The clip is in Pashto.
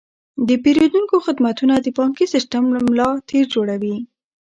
د پیرودونکو خدمتونه د بانکي سیستم ملا تیر جوړوي.